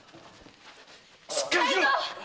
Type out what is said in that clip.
しっかりしろ！